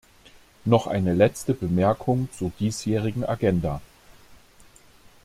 Noch eine letzte Bemerkung zur diesjährigen Agenda.